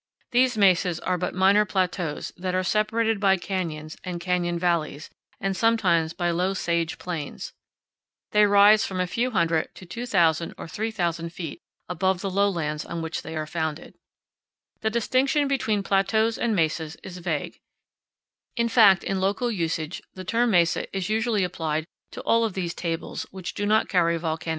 These mesas are but minor plateaus that are separated by canyons and canyon valleys, and sometimes by 46 CANYONS OF THE COLORADO. low sage plains. They rise from a few hundred to 2,000 or 3,000 feet above the lowlands on which they are founded. The distinction between plateaus and mesas is vague; in fact, in local usage the term mesa is usually applied to all of these tables which do not carry volcanic moun powell canyons 23.